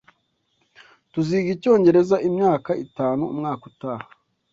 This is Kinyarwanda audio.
Tuziga icyongereza imyaka itanu umwaka utaha.